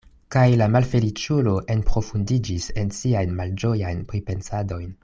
Kaj la malfeliĉulo enprofundiĝis en siajn malĝojajn pripensadojn.